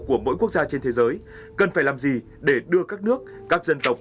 của mỗi quốc gia trên thế giới cần phải làm gì để đưa các nước các dân tộc